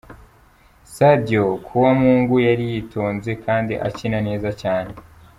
Sadio kuwa Mungu yari yitonze kandi akina neza cane.